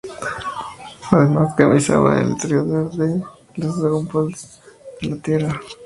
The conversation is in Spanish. Además, Kamisama es el creador de las Dragon Balls de la Tierra.